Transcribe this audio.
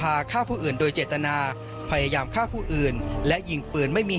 ฆ่าผู้อื่นโดยเจตนาพยายามฆ่าผู้อื่นและยิงปืนไม่มี